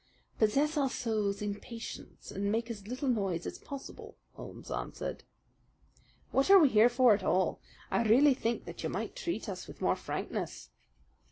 "Possess our souls in patience and make as little noise as possible," Holmes answered. "What are we here for at all? I really think that you might treat us with more frankness."